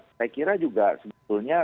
saya kira juga sebetulnya